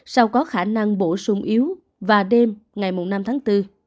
sau có khả năng bổ sung yếu và đêm ngày năm tháng bốn